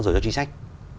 dự lịch cho chính sách